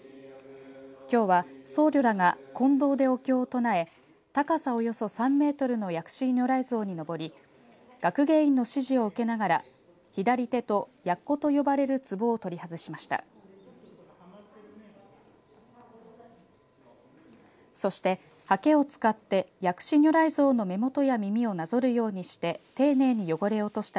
きょうは僧侶らが金堂でお経を唱え高さおよそ３メートルの薬師如来像に上り学芸員の指示を受けながら左手と薬壺と呼ばれるつぼを取り外しました。